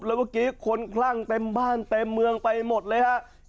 แล้วเมื่อกี้คนคลั่งเต็มบ้านเต็มเมืองไปหมดเลยฮะ